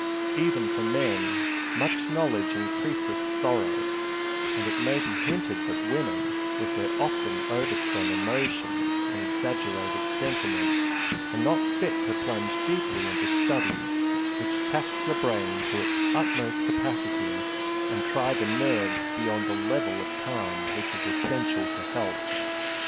Even for men "much knowledge increaseth sorrow," and it may be hinted that women, with their often overstrung emotions and exaggerated sentiments, are not fit to plunge deeply into studies which tax the brain to its utmost capacity and try the nerves beyond the level of the calm which is essential to health.